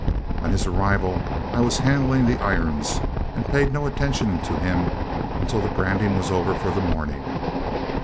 On his arrival, I was handling the irons, and paid no attention to him until the branding was over for the morning.